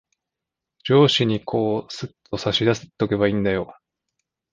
上司にこう、すっと差し出しとけばいんだよ。